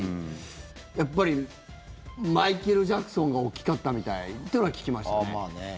やっぱりマイケル・ジャクソンが大きかったみたいというのは聞きましたね。